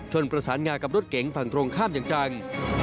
ประสานงากับรถเก๋งฝั่งตรงข้ามอย่างจัง